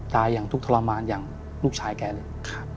อย่างทุกข์ทรมานอย่างลูกชายแกเลย